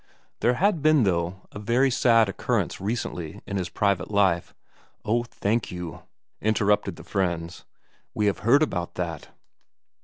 There had been, though, a very sad occurrence recently in his private life, * Oh, thank you,' interrupted the friends, * we have heard about that.'